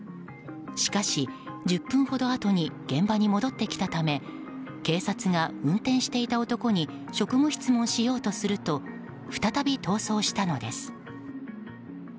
しかし１０分ほどあとに現場に戻ってきたため警察が運転していた男に職務質問しようとすると再び逃走したのです。